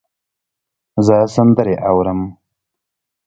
زه سندرې اورم.